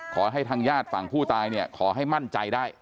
ขอให้ทางญาติฝั่งผู้ตายขอให้มั่นใจได้